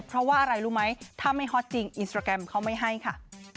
เพราะว่าอะไรรู้ไหมถ้าไม่ฮอตจริงอินสตราแกรมเขาไม่ให้ค่ะ